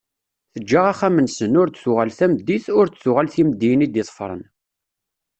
Teǧǧa axxam-nsen, ur d-tuɣal tameddit, ur d-tuɣal timeddiyin i d-iḍefren.